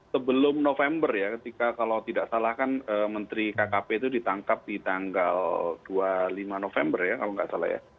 sebelum november ya ketika kalau tidak salah kan menteri kkp itu ditangkap di tanggal dua puluh lima november ya kalau nggak salah ya